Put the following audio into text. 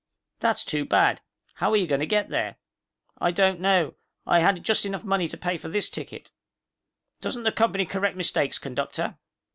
"That's too bad. How are you going to get there?" "I don't know. I had just enough money to pay for this ticket." "Doesn't the company correct mistakes, Conductor?"